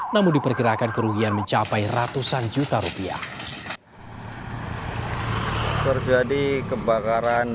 namun diperkirakan kerugian mencapai ratusan juta rupiah